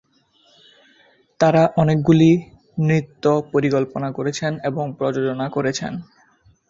তাঁরা অনেকগুলি নৃত্য পরিকল্পনা করেছেন এবং প্রযোজনা করেছেন।